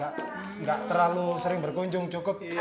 tidak terlalu sering berkunjung cukup